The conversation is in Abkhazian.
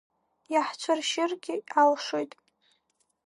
Иаҳцәыршьыргьы алшоит…